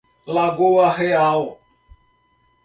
Lagoa Real